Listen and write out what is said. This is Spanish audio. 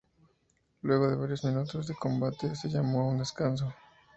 Luego de varios minutos de combate, se llamó a un descanso.